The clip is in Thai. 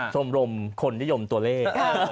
ชมรมคนนิยมตัวเลข